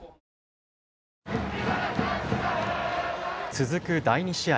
続く第２試合。